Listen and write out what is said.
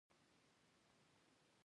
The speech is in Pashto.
ژبه د ذهن قوت څرګندوي